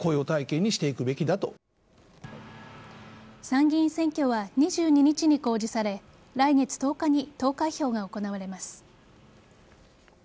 参議院選挙は２２日に公示され来月１０日に投開票が行われます。